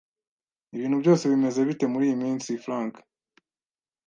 Ibintu byose bimeze bite muriyi minsi, Frank?